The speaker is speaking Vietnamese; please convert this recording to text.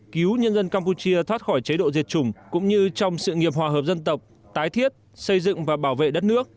cứu nhân dân campuchia thoát khỏi chế độ diệt chủng cũng như trong sự nghiệp hòa hợp dân tộc tái thiết xây dựng và bảo vệ đất nước